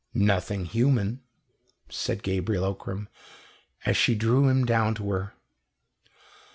"Nothing human," said Gabriel Ockram, as she drew him down to her.